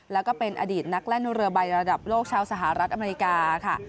แล้วก็เป็นอดีตนักแล่นเรือใบระดับโลกชาวสหรัฐอเมริกาค่ะ